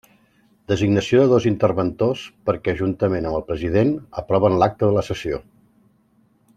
Designació de dos interventors perquè, juntament amb el president, aproven l'acta de la sessió.